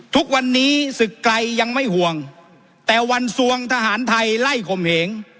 ทุกวันนี้ศึกไกรยังไม่ห่วงแต่วันสวงทหารไทยไล่ข่มเหง